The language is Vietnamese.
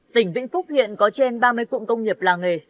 tỉnh vĩnh phúc hiện có trên ba mươi cụm công nghiệp làng nghề